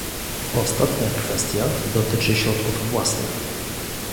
Ostatnia kwestia dotyczy środków własnych